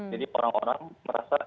jadi orang orang merasa